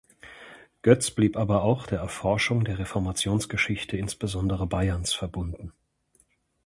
Goetz blieb aber auch der Erforschung der Reformationsgeschichte insbesondere Bayerns verbunden.